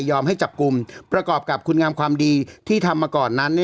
ให้จับกลุ่มประกอบกับคุณงามความดีที่ทำมาก่อนนั้น